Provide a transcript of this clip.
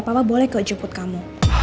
papa boleh gak jeput kamu